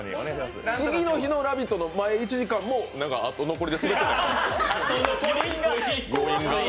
次の日の「ラヴィット！」の１時間もなんか残りでもうスベってたよ、余韻が。